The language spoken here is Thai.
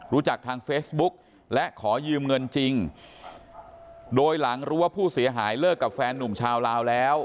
ทางเฟซบุ๊กและขอยืมเงินจริงโดยหลังรู้ว่าผู้เสียหายเลิกกับแฟนนุ่มชาวลาวแล้ว